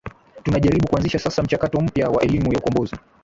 tunajaribu kuanzisha sasa mchakato mpya wa elimu ya ukombozi